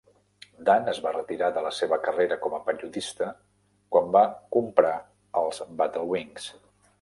Dan es va retirar de la seva carrera com a periodista quan va comprar els Battle Wings.